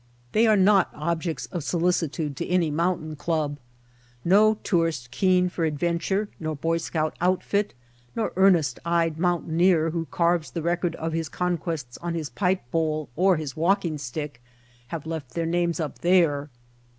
They are not objects of solicitude to any mountain club; no tourist keen for adventure, nor boy scout outfit, nor earnest eyed mountaineer who carves the record of his conquests on his pipe bowl or his walking stick, have left their names up there.